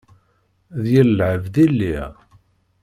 D yir lɛebd i lliɣ.